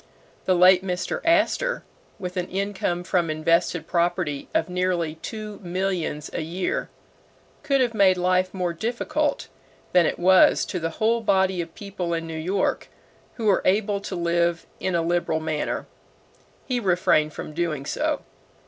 The late Mr. Astor, with an income from invested property of nearly two millions a year, could have made life more difficult than it was to the whole body of people in New York who are able to live in a liberal manner. He refrained from doing so.